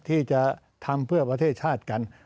ที่จะทำเพื่อประเทศชาติกัน